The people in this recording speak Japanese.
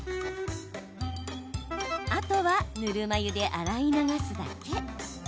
あとは、ぬるま湯で洗い流すだけ。